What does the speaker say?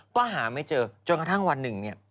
ก็หาไม่เจอจนกระทั่งวันหนึ่งเนี่ย